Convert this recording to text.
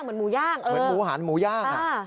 เหมือนหมูหานหมูย่างค่ะ